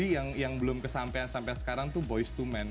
kalau di luar negeri yang belum kesampean sampai sekarang tuh boyz ii men